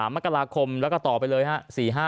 มกราคมแล้วก็ต่อไปเลยฮะ